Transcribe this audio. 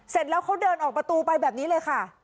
เสร็จแล้วเขาเดินออกประตูไปแบบนี้เลยค่ะ